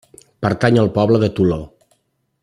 Pertany al poble de Toló.